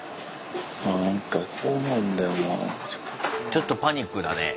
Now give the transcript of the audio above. ちょっとパニックだね。